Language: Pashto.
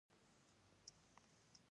فکر څنګه روښانه کړو؟